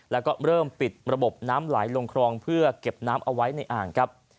แล้วก็เริ่มปิดระบบน้ำไหลลงครองเพื่อเก็บน้ำเอาไว้ในอ่างครับ